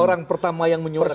yang pertama yang menyuarakan